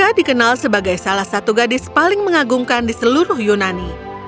ia dikenal sebagai salah satu gadis paling mengagumkan di seluruh yunani